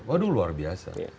waduh luar biasa